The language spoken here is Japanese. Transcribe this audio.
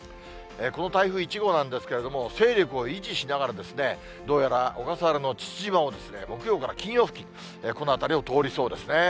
この台風１号なんですけれども、勢力を維持しながら、どうやら小笠原の父島を木曜から金曜付近、この辺りを通りそうですね。